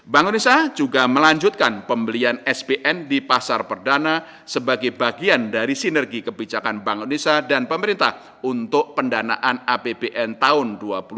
bank indonesia juga melanjutkan pembelian spn di pasar perdana sebagai bagian dari sinergi kebijakan bank indonesia dan pemerintah untuk pendanaan apbn tahun dua ribu dua puluh tiga